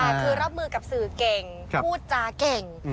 แต่คือรับมือกับสื่อเก่งพูดจาเก่ง